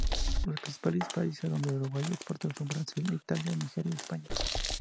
Los principales países a donde Uruguay exporta son Brasil, Italia, Nigeria y España.